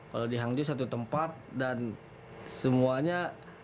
kalau di hangzhou satu tempat dan semuanya